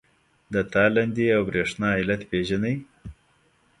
د تالندې او برېښنا علت پیژنئ؟